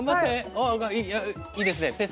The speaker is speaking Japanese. いいですね。